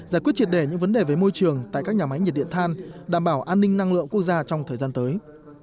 giải quyết triệt đề những vấn đề về môi trường tại các nhà máy nhiệt điện than đảm bảo an ninh năng lượng quốc gia trong thời gian tới